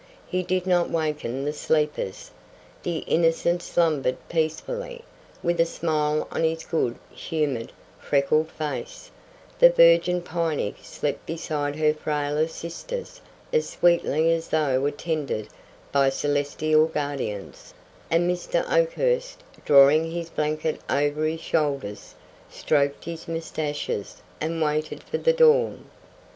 He did not waken the sleepers. The Innocent slumbered peacefully, with a smile on his good humored, freckled face; the virgin Piney slept beside her frailer sisters as sweetly as though attended by celestial guardians; and Mr. Oakhurst, drawing his blanket over his shoulders, stroked his mustaches and waited for the dawn.